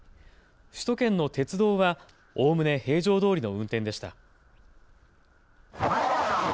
首都圏の鉄道はおおむね平常どおりの運転でした。